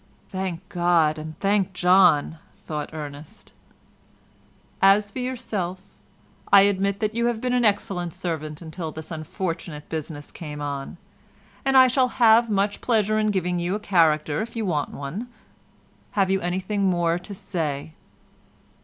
("Thank God and thank John," thought Ernest.) "As for yourself, I admit that you have been an excellent servant until this unfortunate business came on, and I shall have much pleasure in giving you a character if you want one. Have you anything more to say?"